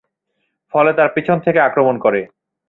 ফলে তারা পিছন থেকে আক্রমণ করে।